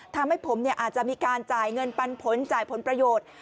ทำให้ผมอาจจะมีการจ่ายเงินปันผลจ่ายผลประโยชน์